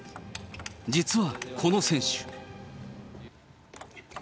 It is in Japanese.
実はこの選手。